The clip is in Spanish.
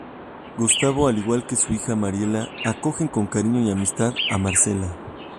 Gustavo al igual que su hija Mariela, acogen con cariño y amistad a Marcela.